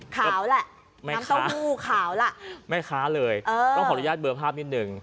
ขาวแหละน้ำเต้าหู้ขาวล่ะแม่ค้าเลยเออต้องขออนุญาตเบอร์ภาพนิดหนึ่ง